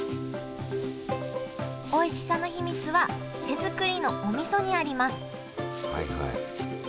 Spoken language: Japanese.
おいしさの秘密は手作りのおみそにあります